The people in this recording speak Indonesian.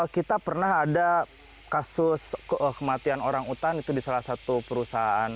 kita pernah ada kasus kematian orang utan itu di salah satu perusahaan